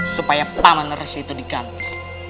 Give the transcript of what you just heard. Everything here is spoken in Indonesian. supaya paman resmi itu diganti